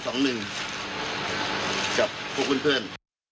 กับพวกเพื่อน